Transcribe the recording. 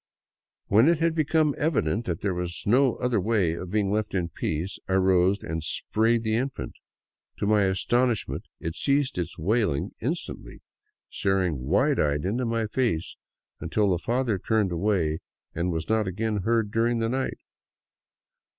When it had become evident that there was no other way of being left in peace, I rose and sprayed the infant. To my astonishment it ceased its wailing instantly, stared wide eyed into my face until the father turned away, and was not again heard during the night.